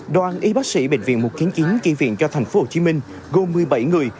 đoàn y bác sĩ bệnh viện một trăm chín mươi chín tri viện cho thành phố hồ chí minh gồm một mươi bảy người